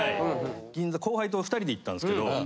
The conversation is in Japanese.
銀座後輩と２人で行ったんですけど。